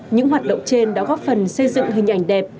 những hoạt động trên đã góp phần xây dựng hình ảnh đẹp